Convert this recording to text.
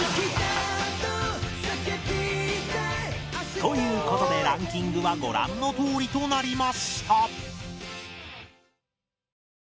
という事でランキングはご覧のとおりとなりました